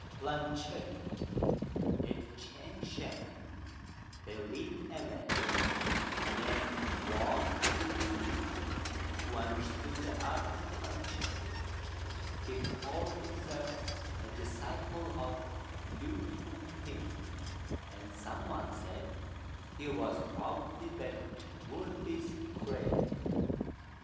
PLANCHETTE. At Ch'ang shan there lived a man, named Wang Jui t'ing, who understood the art of planchette. He called himself a disciple of Lü Tung pin, and some one said he was probably that worthy's crane.